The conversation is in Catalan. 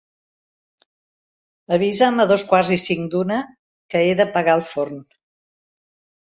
Avisa'm a dos quarts i cinc d'una, que he d'apagar el forn.